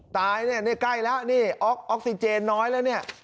ตายเนี่ยนี่ใกล้แล้วนี่ออกซิเจนน้อยแล้วเนี่ย